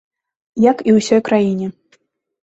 Як і ўсёй краіне.